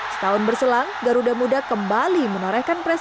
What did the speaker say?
setahun berselang garuda muda kembali menorehkan prestasi